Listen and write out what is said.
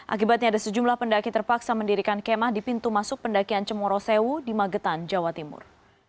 akibatnya ada sejumlah pendaki terpaksa mendirikan kemah di pintu masuk pendakian cemorosewu di magetan jawa timur